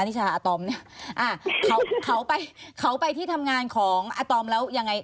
นิชชาอะตอมอ่าเขาไปเขาไปที่ทำงานของอะตอมแล้วยังไง